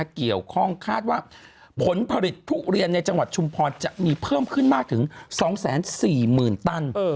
เกี่ยวข้องคาดว่าผลผลิตทุเรียนในจังหวัดชุมพรจะมีเพิ่มขึ้นมากถึง๒๔๐๐๐ตัน